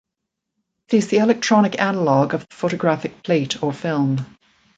It is the electronic analog of the photographic plate or film.